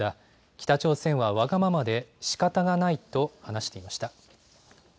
北朝鮮はわがままでしかたがないと話していました。